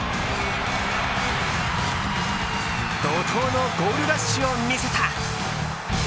怒濤のゴールラッシュを見せた。